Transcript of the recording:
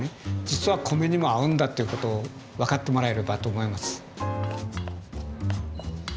実は米にも合うんだっていうことを分かってもらえればと思います。